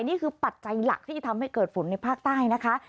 ปัจจัยหลักที่จะทำให้เกิดฝนในภาคใต้นะคะ